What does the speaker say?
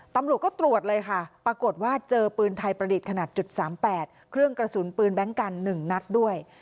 ตำรวจก็ตรวจเลยค่ะปรากฏว่าเจอปืนไทยประดิษฐ์ขนาด๓๘เครื่องกระสุนปืนแบงค์กัน๑นัดด้วย